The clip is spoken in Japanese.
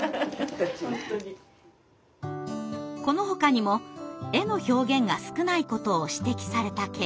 このほかにも絵の表現が少ないことを指摘されたケイくん。